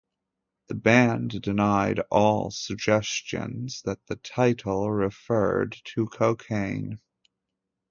The band denied all suggestions that the title referred to cocaine.